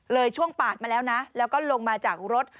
ช่วงปาดมาแล้วนะแล้วก็ลงมาจากรถ